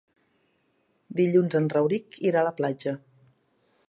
Dilluns en Rauric irà a la platja.